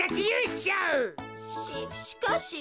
ししかし。